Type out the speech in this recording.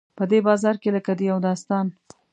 په دې بازار کې لکه د یو داستان.